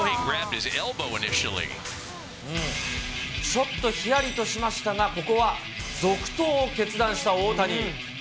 ちょっとひやりとしましたが、ここは続投を決断した大谷。